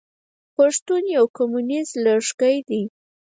پښتون يو توکميز لږکي دی.